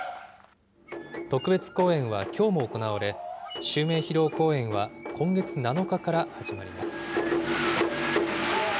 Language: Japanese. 特別公演はきょうも行われ、襲名披露公演は今月７日から始まります。